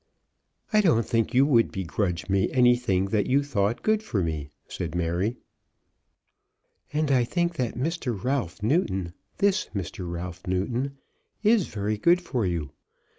"I don't think you would begrudge me anything that you thought good for me," said Mary. "And I think that Mr. Ralph Newton, this Mr. Ralph Newton, is very good for you.